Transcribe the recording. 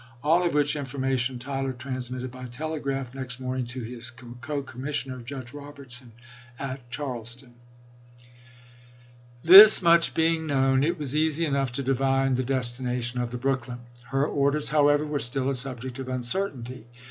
All of which information Tyler transmitted by telegraph next morning to his co commissioner Judge Robertson, at Charleston. THE SUMTER AND PICKENS TRUCE 167 This much being known it was easy enough to chap. xi. divine the destination of the Brooklyn. Her or ders, however, were still a subject of uncertainty.